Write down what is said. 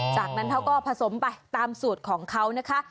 จากนั้นเขาก็ผสมไปตามสูตรของเขานะคะ